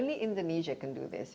hanya indonesia yang bisa melakukan ini